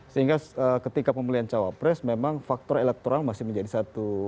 sehingga ketika pemilihan cawapres memang faktor elektoral masih menjadi satu